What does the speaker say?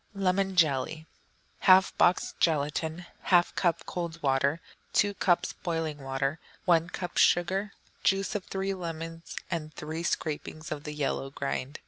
Lemon Jelly 1/2 box gelatine. 1/2 cup cold water. 2 cups boiling water. 1 cup sugar. Juice of three lemons, and three scrapings of the yellow rind.